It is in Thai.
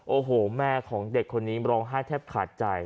โอ้โหแม่ของเด็กคนนี้ร้องไห้แทบขาดใจ